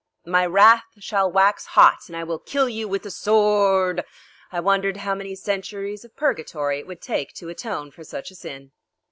My wrath shall wax hot and I will kill you with the sworrrrd!" I wondered how many centuries of purgatory it would take to atone for such a sin.